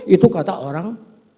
itu kata orang